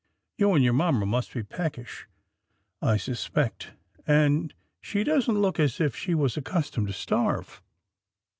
You and your mamma must be peckish, I suspect, and she doesn't look as if she was accustomed to starve."